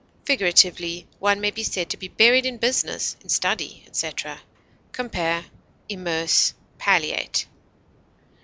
Figuratively, one may be said to be buried in business, in study, etc. Compare IMMERSE; PALLIATE.